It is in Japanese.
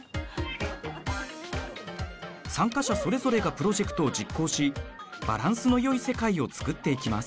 参加者それぞれがプロジェクトを実行しバランスのよい世界をつくっていきます。